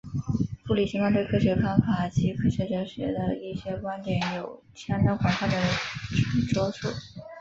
布里奇曼对科学方法及科学哲学的一些观点有相当广泛的着述。